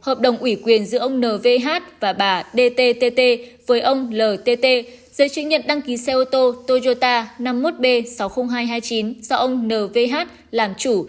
hợp đồng ủy quyền giữa ông n v h và bà d t t t với ông l t t giấy chứng nhận đăng ký xe ô tô toyota năm mươi một b sáu mươi nghìn hai trăm hai mươi chín do ông n v h làm chủ